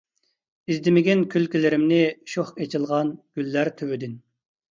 ئىزدىمىگىن كۈلكىلىرىمنى، شوخ ئېچىلغان گۈللەر تۈۋىدىن.